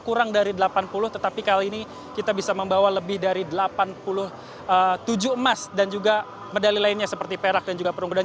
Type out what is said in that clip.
kurang dari delapan puluh tetapi kali ini kita bisa membawa lebih dari delapan puluh tujuh emas dan juga medali lainnya seperti perak dan juga perunggulan